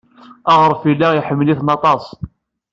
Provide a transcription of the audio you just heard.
Aɣref yella iḥemmel-iten aṭas.